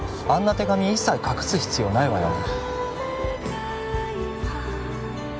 手紙一切隠す必要ないわよね